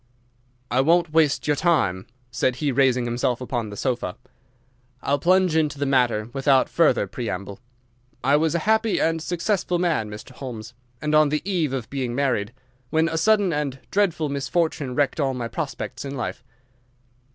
"I won't waste your time," said he, raising himself upon the sofa. "I'll plunge into the matter without further preamble. I was a happy and successful man, Mr. Holmes, and on the eve of being married, when a sudden and dreadful misfortune wrecked all my prospects in life.